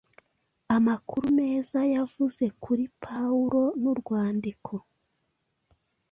Amakuru meza yavuze kuri Pawulo n’urwandiko